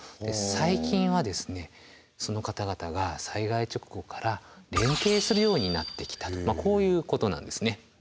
最近はその方々が災害直後から連携するようになってきたとこういうことなんですね。